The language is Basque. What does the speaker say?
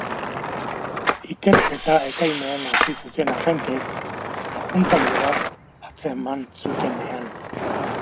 Ikerketa ekainean hasi zuten agenteek, lagun talde bat atzeman zutenean.